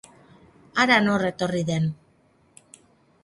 Hara nor etorri den!